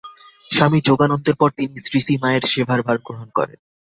স্বামী যোগানন্দের পর তিনি শ্রীশ্রীমায়ের সেবার ভার গ্রহণ করেন।